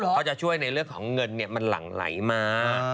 เขาจะช่วยในเรื่องของเงินมันหลั่งไหลมา